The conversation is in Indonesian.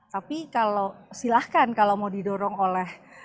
tapi kalau silahkan kalau mau didorong oleh